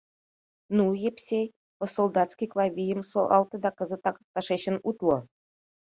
Ну, Епсей, «по-солдатски» Клавийым солалте да кызытак тышечын утло!